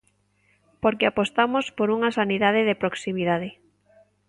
Porque apostamos por unha sanidade de proximidade.